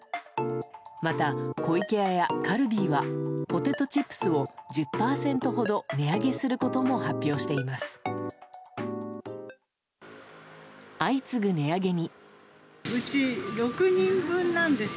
また、湖池屋やカルビーはポテトチップスを１０％ほど値上げすることも発表しています。